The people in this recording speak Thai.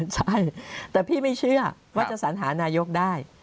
ใช่แต่พี่ไม่เชื่อว่าจะสัญหานายกได้